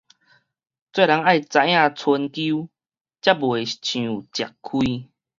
做人愛知影伸勼，才袂傷食虧